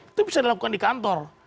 itu bisa dilakukan di kantor